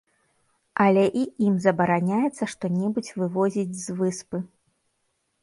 Але і ім забараняецца што-небудзь вывозіць з выспы.